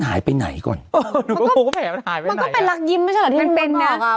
ให้ไหนอ่ะมันก็เป็นลักษณีย์ไม่ใช่หรอมันเป็นเขาอ่ะ